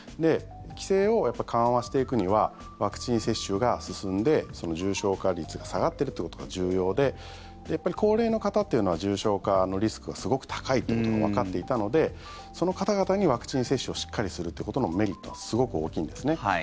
規制を緩和していくにはワクチン接種が進んで重症化率が下がってるってことが重要で高齢の方というのは重症化のリスクがすごく高いということがわかっていたのでその方々にワクチン接種をしっかりするということのメリットはすごく大きいんですね。